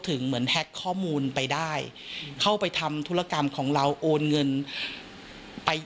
เหมือนแฮ็กข้อมูลไปได้เข้าไปทำธุรกรรมของเราโอนเงินไป